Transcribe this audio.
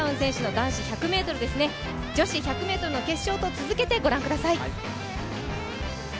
男子１００ｍ、女子１００ｍの決勝と続けてご覧ください。